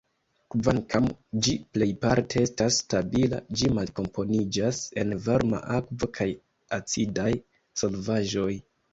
Kvankam ĝi plejparte estas stabila, ĝi malkomponiĝas en varma akvo kaj acidaj solvaĵoj.